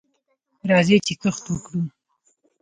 راځئ چې کښت وکړو.